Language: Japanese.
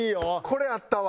これあったわ。